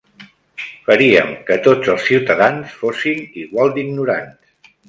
Faríem que tots els ciutadans fossin igual d'ignorants.